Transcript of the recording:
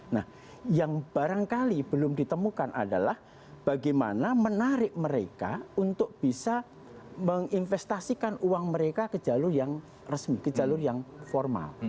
nah yang barangkali belum ditemukan adalah bagaimana menarik mereka untuk bisa menginvestasikan uang mereka ke jalur yang resmi ke jalur yang formal